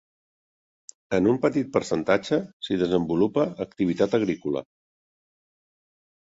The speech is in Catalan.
En un petit percentatge s'hi desenvolupa activitat agrícola.